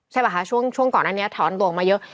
ใช่ป่ะคะช่วงก่อนอันนี้ถอนดวงมาเยอะ